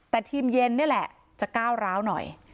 แต่ทีมเย็นนี่แหละจะก้าวร้าวหน่อย